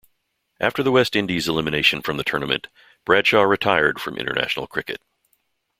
After the West Indies' elimination from the tournament, Bradshaw retired from international cricket.